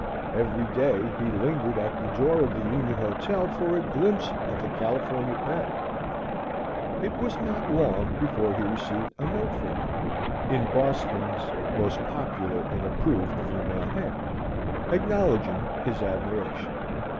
Every day he lingered at the door of the Union Hotel for a glimpse of the "California Pet." It was not long before he received a note from her, in "Boston's" most popular and approved female hand, acknowledging his admiration.